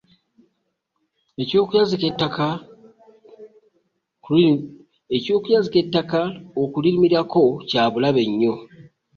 Okweyazika ettaka l'okulimirako kya bulabe nnyo.